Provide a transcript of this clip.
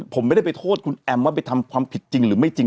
ผมไม่ได้ไปโทษคุณแอมว่าไปทำความผิดจริงหรือไม่จริง